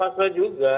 enggak pasrah juga